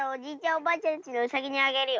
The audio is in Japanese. おばあちゃんちのうさぎにあげるよ。